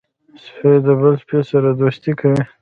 سپي د بل سپي سره دوستي کوي.